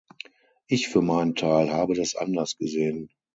Ich für meinen Teil habe das anders gesehen.